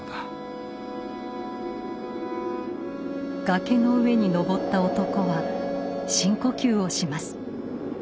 崖の上に登った男は深呼吸をします。